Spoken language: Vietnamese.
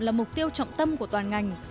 là mục tiêu trọng tâm của toàn ngành